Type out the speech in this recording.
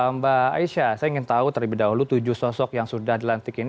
mbak aisyah saya ingin tahu terlebih dahulu tujuh sosok yang sudah dilantik ini